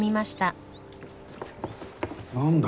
何だ？